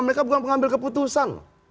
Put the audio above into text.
mereka bukan pengambil keputusan